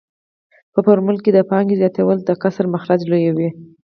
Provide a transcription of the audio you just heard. په فورمول کې د پانګې زیاتوالی د کسر مخرج لویوي